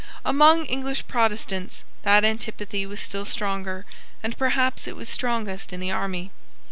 Among English Protestants that antipathy was still stronger and perhaps it was strongest in the army.